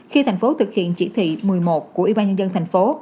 khi tp hcm thực hiện chỉ thị một mươi một của ybnd tp